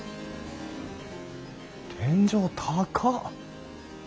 天井高っ！